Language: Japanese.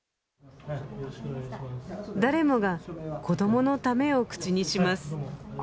誰もが「子どものため」を口にします